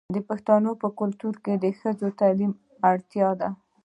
د پښتنو په کلتور کې د ښځو تعلیم ته اړتیا ده.